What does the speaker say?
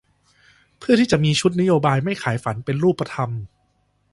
เพื่อที่จะมีชุดนโยบายไม่ขายฝัน เป็นรูปธรรม